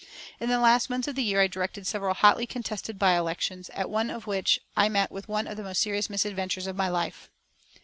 In the last months of the year, I directed several hotly contested by elections, at one of which I met with one of the most serious misadventures of my life.